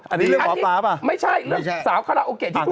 อันนี้เรื่องหมอป๊าป่ะไม่ใช่เรื่องสาวคาราโอเกะ